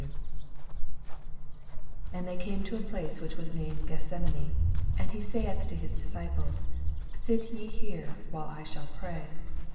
32 And they came to a place which was named Gethsemaue : and he eaith to his disciples, Sit ye here, while I shall pray.